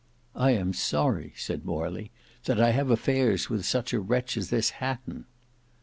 "I am sorry," said Morley, "that I have affairs with such a wretch as this Hatton."